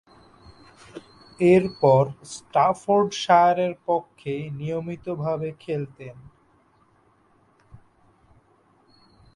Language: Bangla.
এরপর স্টাফোর্ডশায়ারের পক্ষে নিয়মিতভাবে খেলতেন।